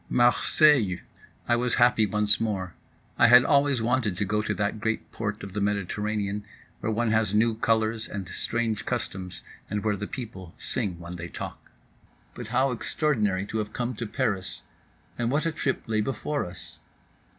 Marseilles! I was happy once more. I had always wanted to go to that great port of the Mediterranean, where one has new colors and strange customs, and where the people sing when they talk. But how extraordinary to have come to Paris—and what a trip lay before us.